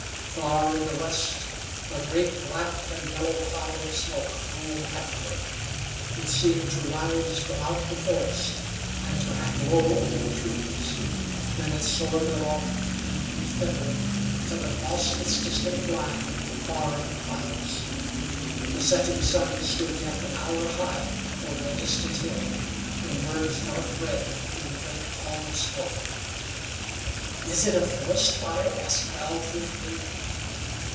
Far in the west a great black and yellow cloud of smoke rolled heavenward. It seemed to rise from out the forest, and to hang low over the trees; then it soared aloft and grew thinner until it lost its distinct line far in the clouds. The setting sun stood yet an hour high over a distant hill, and burned dark red through the great pall of smoke. "Is it a forest fire?" asked Nell, fearfully.